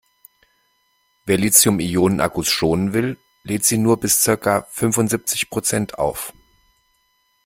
Wer Lithium-Ionen-Akkus schonen will, lädt sie nur bis circa fünfundsiebzig Prozent auf.